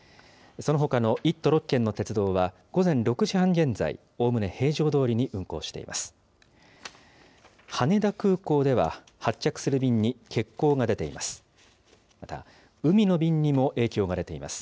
そのほかの１都６県の鉄道は午前６時半現在、おおむね平常どおりに運行しています。